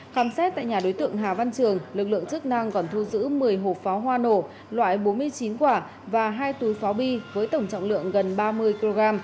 khám xét tại nhà đối tượng hà văn trường lực lượng chức năng còn thu giữ một mươi hộp pháo hoa nổ loại bốn mươi chín quả và hai túi pháo bi với tổng trọng lượng gần ba mươi kg